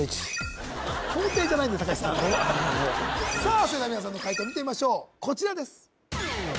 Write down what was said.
それでは皆さんの解答を見てみましょうこちらです